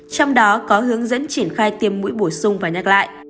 trong đó có hướng dẫn triển khai tiêm mũi bổ sung và nhắc lại